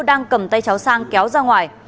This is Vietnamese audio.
đang cầm tay cháu sang kéo ra ngoài